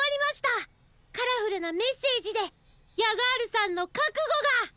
カラフルなメッセージでヤガールさんのかくごが！